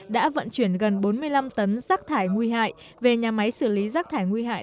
đã vận chuyển gần bốn mươi năm tấn rác thải nguy hại về nhà máy xử lý rác thải nguy hại